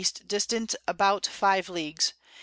distant about 5 Leagues.